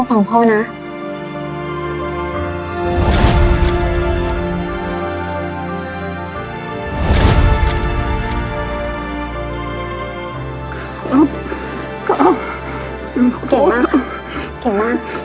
เก่งมากครับ